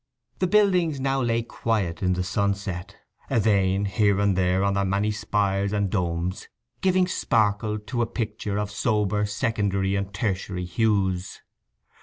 The buildings now lay quiet in the sunset, a vane here and there on their many spires and domes giving sparkle to a picture of sober secondary and tertiary hues.